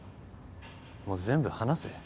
もう全部話せ。